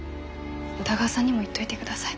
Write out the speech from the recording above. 宇田川さんにも言っといてください。